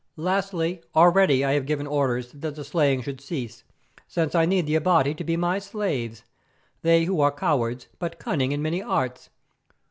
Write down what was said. Lastly, already I have given orders that the slaying should cease, since I need the Abati to be my slaves, they who are cowards, but cunning in many arts.